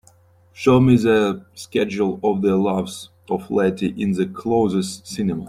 show me the schedule of The Loves of Letty in the closest cinema